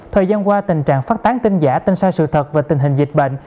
thời gian qua tình trạng phát tán tin giả tin sai sự thật về tình hình dịch bệnh